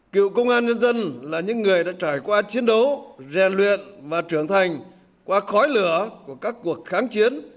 cựu công an nhân dân là những người đã trải qua chiến đấu rèn luyện và trưởng thành qua khói lửa của các cuộc kháng chiến